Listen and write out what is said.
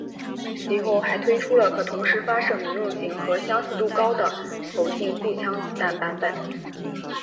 其后还推出了可同时发射民用型的和相似高的口径步枪子弹版本。